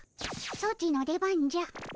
ソチの出番じゃ。